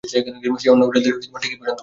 সে অন্য বিড়ালদের ঠিকই পছন্দ করে।